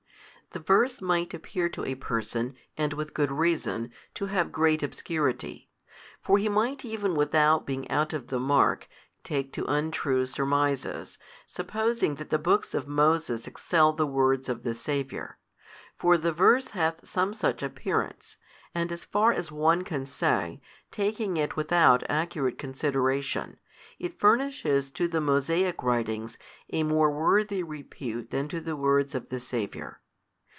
The verse might appear to a person, and with good reason, to have great obscurity. For he might even without being out of the mark, take to untrue surmises, supposing that the books of Moses excel the words of the Saviour. For the verse hath some such appearance, and as far as one can say, taking it without accurate consideration, it furnishes to the Mosaic writings a more worthy repute than to the words of the Saviour.